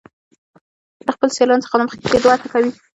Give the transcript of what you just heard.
د خپلو سیالانو څخه د مخکې کیدو هڅه کوي.